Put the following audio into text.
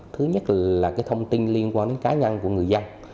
thứ nhất là thông tin liên quan đến cá nhân của người dân